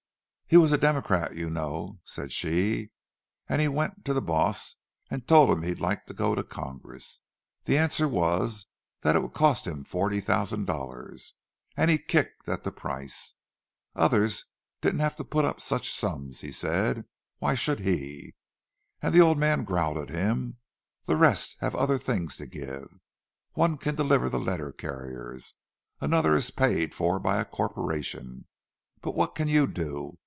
"He was a Democrat, you know," said she, "and he went to the boss and told him he'd like to go to Congress. The answer was that it would cost him forty thousand dollars, and he kicked at the price. Others didn't have to put up such sums, he said—why should he? And the old man growled at him, 'The rest have other things to give. One can deliver the letter carriers, another is paid for by a corporation. But what can you do?